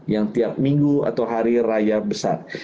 yang tiap minggu atau hari raya besar